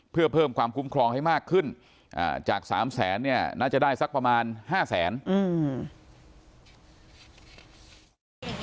เพื่อเพิ่มความคุ้มครองให้มากขึ้นอ่าจากสามแสนเนี่ยน่าจะได้สักประมาณห้าแสนอืม